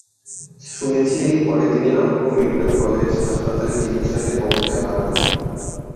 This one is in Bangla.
শুনেছি পরে তিনি রংপুর মেডিকেল কলেজ হাসপাতালে চিকিৎসাধীন অবস্থায় মারা যান।